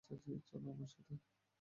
চলো আমার সাথে।